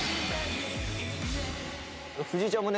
藤井ちゃんもね